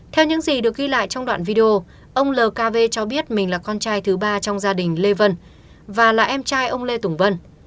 theo những gì được ghi lại trong đoạn video ông lkv cho biết mình là con trai thứ ba trong gia đình lê vân và là em trai ông lê tùng vân